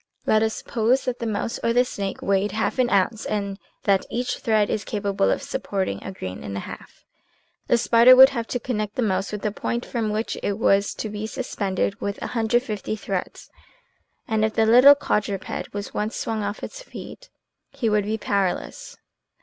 Let us suppose that the mouse or the snake weighed half an ounce and that each thread is capable of supporting a grain and a half. The spider would have to connect the mouse with the point from which it was to be suspended with 150 threads, and if the little quadruped was once swung off his feet, he would be powerless.